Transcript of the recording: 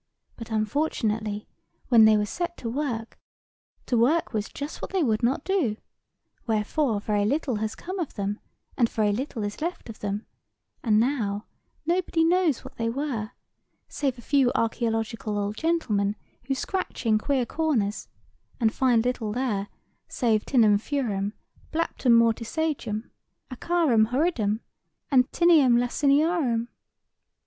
But, unfortunately, when they were set to work, to work was just what they would not do: wherefore very little has come of them, and very little is left of them; and now nobody knows what they were, save a few archæological old gentlemen who scratch in queer corners, and find little there save Ptinum Furem, Blaptem Mortisagam, Acarum Horridum, and Tineam Laciniarum.